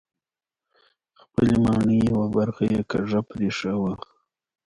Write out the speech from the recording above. خپلې ماڼۍ یوه برخه یې کږه پرېښې وه.